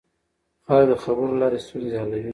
خلک د خبرو له لارې ستونزې حلوي